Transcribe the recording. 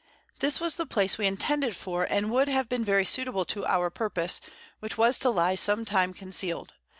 This was the Place we intended for, and would have been very suitable to our Purpose, which was to lie some Time concealed.